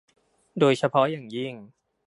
โดยเฉพาะอย่างยิ่ง